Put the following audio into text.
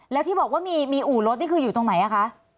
แล้วที่บอกว่ามีอู่รถนี่คืออยู่ตรงไหนอะคะ